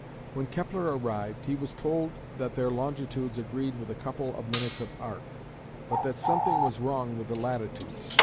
When Kepler arrived he was told that their longitudes agreed within a couple of minutes of arc, but that something was wrong with the latitudes.